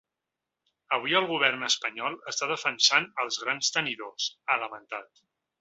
“Avui el govern espanyol està defensant els grans tenidors”, ha lamentat.